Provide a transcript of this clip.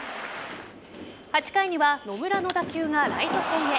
８回には野村の打球がライト線へ。